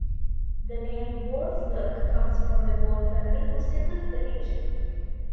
The name "Boalsburg" comes from the Boal family who settled the region.